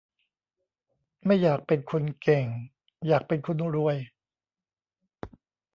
ไม่อยากเป็นคนเก่ง อยากเป็นคนรวย